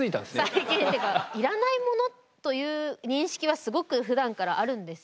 最近っていうかいらないものという認識はすごくふだんからあるんですよね。